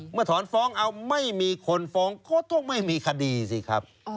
ถอนฟ้องเอาไม่มีคนฟ้องก็ต้องไม่มีคดีสิครับ